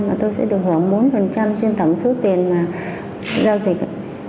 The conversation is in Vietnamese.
mà tôi sẽ được hưởng bốn trên tổng số tiền mà giao dịch